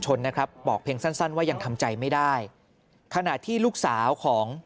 นะครับบอกเพียงสั้นสั้นว่ายังทำใจไม่ได้ขณะที่ลูกสาวของ